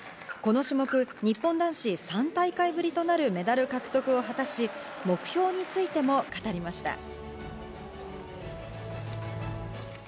この種目、日本男子３大会ぶりとなるメダル獲得を果たし、目標についても語りました。